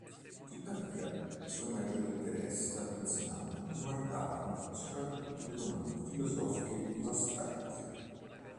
Tuttavia, i suoi maggiori interessi da pensionato riguardavano soprattutto le domande filosofiche più astratte.